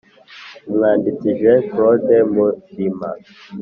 Umwanditsi Jean Claude Murima